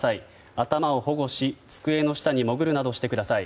頭を保護し、机の下に潜るなどしてください。